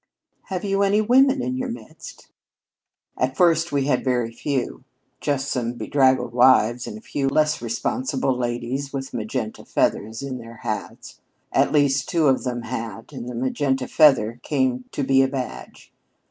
"Have you many women in your midst?" "At first we had very few. Just some bedraggled wives and a few less responsible ladies with magenta feathers in their hats. At least, two of them had, and the magenta feather came to be a badge.